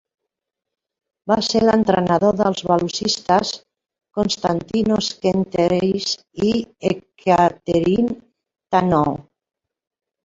Va ser l'entrenador dels velocistes Konstantinos Kenteris i Ekaterini Thanou.